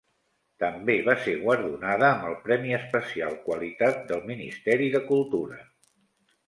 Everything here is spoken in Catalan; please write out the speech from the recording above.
També va ser guardonada amb el Premi Especial Qualitat del Ministeri de Cultura.